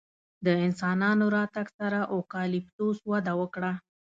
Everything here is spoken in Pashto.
د انسانانو راتګ سره اوکالیپتوس وده وکړه.